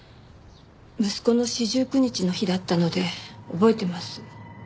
息子の四十九日の日だったので覚えてます。